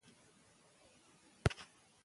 موږ خپلو مشرانو ته په درنه سترګه ګورو.